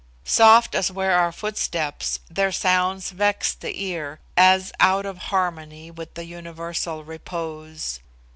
Soft as were our footsteps, their sounds vexed the ear, as out of harmony with the universal repose.